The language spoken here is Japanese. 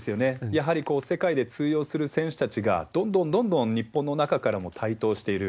やはり世界で通用する選手たちが、どんどんどんどん日本の中からも台頭している。